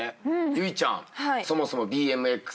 有以ちゃんそもそもＢＭＸ